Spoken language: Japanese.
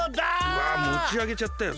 うわもちあげちゃったよ